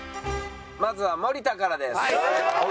まずは森田からです。